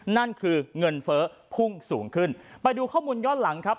นั่นคือเงินเฟ้อพุ่งสูงขึ้นไปดูข้อมูลย้อนหลังครับ